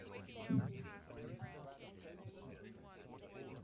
The Torneio Roberto Gomes Pedrosa was famous for not having a final.